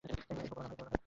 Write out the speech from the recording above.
একবার বলো না ভাই।